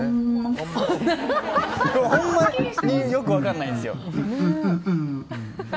ほんまによく分からないんですよ。